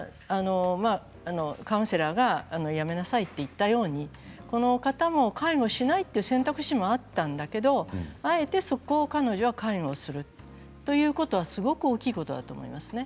カウンセラーがやめなさいと言ったようにこの方も介護しないという選択肢もあったんだけどあえてそこを彼女は介護をするということはすごく大きいことだと思いますね。